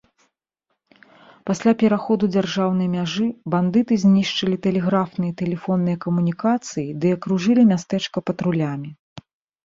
Пасля пераходу дзяржаўнай мяжы, бандыты знішчылі тэлеграфныя і тэлефонныя камунікацыі ды акружылі мястэчка патрулямі.